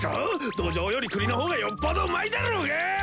ドジョウより栗の方がよっぽどうまいだろうが！